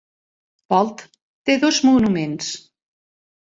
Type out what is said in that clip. Bald té dos monuments.